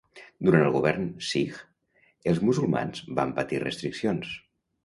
Durant el govern sikh, els musulmans van patir restriccions.